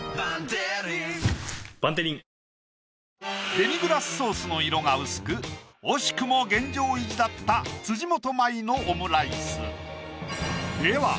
デミグラスソースの色が薄く惜しくも現状維持だった辻元舞のオムライス。